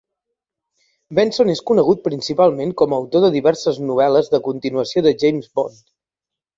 Benson és conegut principalment com a autor de diverses novel·les de continuació de James Bond.